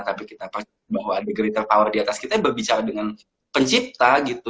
tapi kita pastikan bahwa ada greatle power di atas kita berbicara dengan pencipta gitu